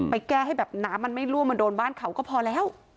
แก้ให้แบบน้ำมันไม่รั่วมาโดนบ้านเขาก็พอแล้ว